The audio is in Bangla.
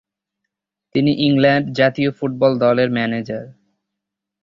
তিনি ইংল্যান্ড জাতীয় ফুটবল দলের ম্যানেজার।